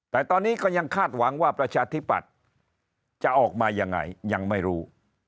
แต่ตอนนี้ก็ยังคาดหวังว่าประชาธิปัตย์จะออกมายังไงยังไม่รู้